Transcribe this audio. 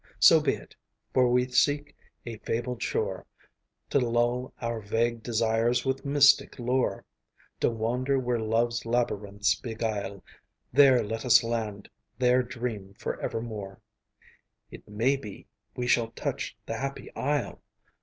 So be it, for we seek a fabled shore, To lull our vague desires with mystic lore, To wander where Love's labyrinths beguile; There let us land, there dream for evermore, "It may be we shall touch the happy isle."